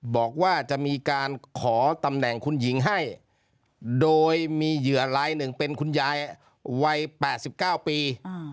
บอกว่าจะมีการขอตำแหน่งคุณหญิงให้โดยมีเหยื่อลายหนึ่งเป็นคุณยายวัย๘๙ปี